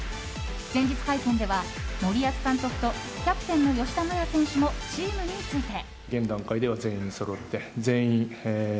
前日会見では森保監督とキャプテンの吉田麻也選手もチームについて。